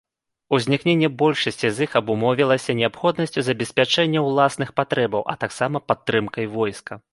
Узнікненне большасці з іх абумоўлівалася неабходнасцю забеспячэння ўласных патрэбаў, а таксама падтрымкай войска.